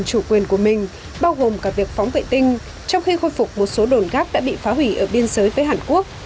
đặc biệt là các quyền chủ quyền của mình bao gồm cả việc phóng vệ tinh trong khi khôi phục một số đồn gác đã bị phá hủy ở biên giới với hàn quốc